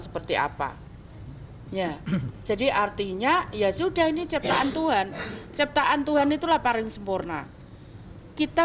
seperti apa ya jadi artinya ya sudah ini ciptaan tuhan ciptaan tuhan itulah paling sempurna kita